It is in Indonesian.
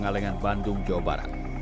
di kalengan bandung jawa barat